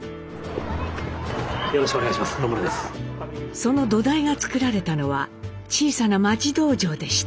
その土台が作られたのは小さな町道場でした。